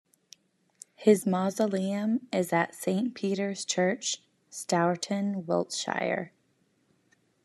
His mausoleum is at Saint Peter's Church, Stourton, Wiltshire.